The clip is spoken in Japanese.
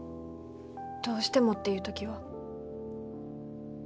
どうしてもっていう時は？